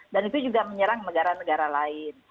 dan itu juga menyerang negara negara lain